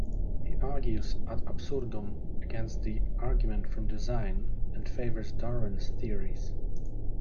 He argues "ad absurdum" against the "argument from design", and favors Darwin's theories.